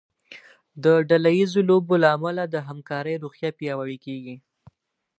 د ډله ییزو لوبو له امله د همکارۍ روحیه پیاوړې کیږي.